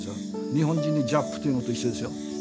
日本人に「ジャップ」と言うのと一緒ですよ。